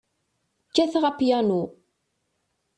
Kkateɣ apyanu.